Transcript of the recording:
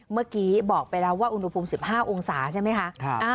เมื่อกี้บอกไปแล้วว่าอุณหภูมิ๑๕องศาใช่ไหมคะ